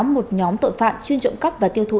một nhóm tội phạm chuyên trộm cắp và tiêu thụ